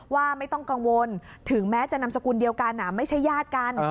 ว่าไม่ต้องกังวลถึงแม้จะนำสกุลเดียวกันไม่ใช่ญาติกัน